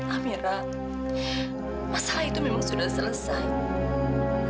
afira masalah itu memang sudah selesai